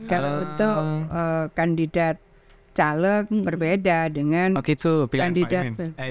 kalau itu kandidat calon berbeda dengan kandidat pkb